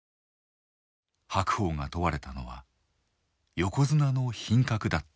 白鵬が問われたのは「横綱の品格」だった。